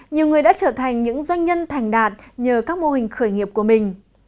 nhiều người đã trở thành những doanh nhân thành đạt nhờ các mô hình khởi nghiệp của mình